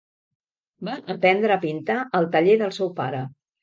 Va aprendre a pintar al taller del seu pare.